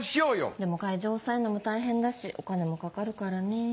でも会場押さえるのも大変だしお金もかかるからねぇ。